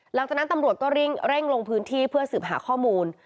หลังจากนั้นตำรวจก็เร่งลงพื้นที่เพื่อสืบหาข้อมูล